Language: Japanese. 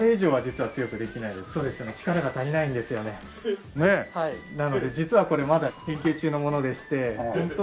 はいなので実はこれまだ研究中のものでして。